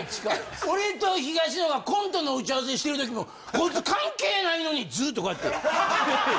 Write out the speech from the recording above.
俺と東野がコントの打ち合わせしてる時もこいつ関係ないのにずっとこうやって。